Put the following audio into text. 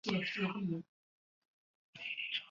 巴育拉翁的母亲是拉玛一世王后的姐妹。